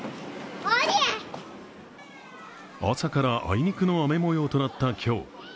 朝からあいにくの雨もようとなった今日。